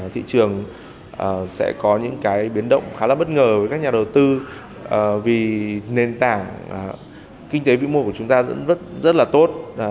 thị trường sẽ có những cái biến động khá là bất ngờ với các nhà đầu tư vì nền tảng kinh tế vĩ mô của chúng ta vẫn rất là tốt